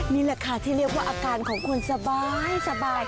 นี่แหละค่ะที่เรียกว่าอาการของคนสบาย